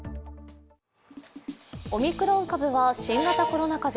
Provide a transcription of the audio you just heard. オミクロン株は新型コロナ風邪。